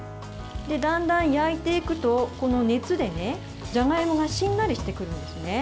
だんだん焼いていくと熱でじゃがいもがしんなりしてくるんですね。